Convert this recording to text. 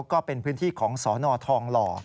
ก็เป็นพื้นที่ของสนทองหล่อ